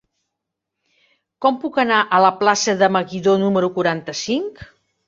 Com puc anar a la plaça de Meguidó número quaranta-cinc?